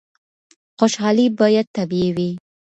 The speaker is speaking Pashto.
خوشحالي باید طبیعي وي.